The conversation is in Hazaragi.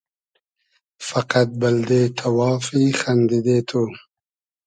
فئقئد بئلدې تئوافی خئندیدې تو